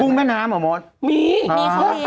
กุ้งแม่น้ำเหรอม้อมมีเขาเลี้ยงด้วยมีค่ะ